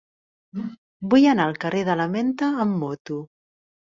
Vull anar al carrer de la Menta amb moto.